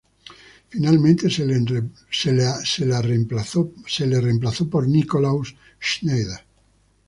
Finalmente se la reemplazó por Nikolaus Schneider.